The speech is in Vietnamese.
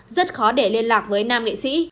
rất khó để liên lạc với nam nghệ sĩ